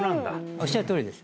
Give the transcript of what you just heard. おっしゃるとおりです